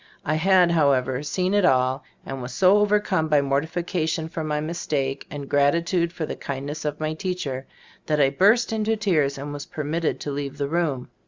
I had, however, seen it all, and was so overcome by mor tification for my mistake, and grati tude for the kindness of my teacher, that I burst into tears and was per mitted to leave the room.